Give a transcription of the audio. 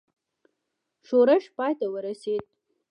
ښورښ پای ته ورسېدی.